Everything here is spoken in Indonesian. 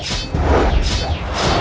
terus ibu pun